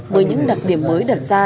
với những đặc điểm mới đặt ra